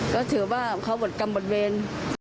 ก็ถือว่าเขาบทกรรมบทเวร